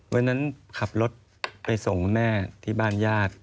เมื่อนั้นขับรถไปส่งแม่ที่บ้านญาติ